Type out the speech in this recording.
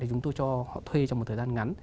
chúng tôi cho họ thuê trong một thời gian ngắn